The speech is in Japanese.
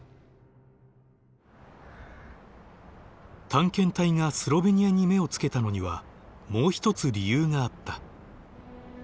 探検隊がスロベニアに目をつけたのにはもう一つ理由があった。